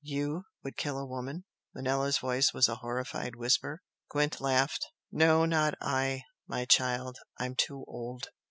"YOU would kill a woman?" Manella's voice was a horrified whisper. Gwent laughed. "No, not I, my child! I'm too old.